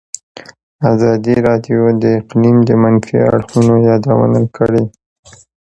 ازادي راډیو د اقلیم د منفي اړخونو یادونه کړې.